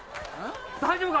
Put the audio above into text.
大丈夫か？